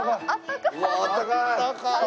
わああったかい！